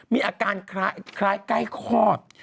มีอาการคล้ายใกล้คลอด